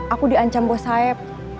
aku diancam bos saeb